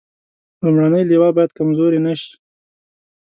لومړنۍ لواء باید کمزورې نه شي.